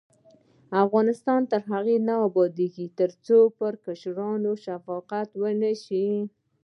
افغانستان تر هغو نه ابادیږي، ترڅو پر کشرانو شفقت ونشي.